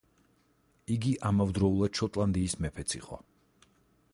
იგი ამავდროულად შოტლანდიის მეფეც იყო.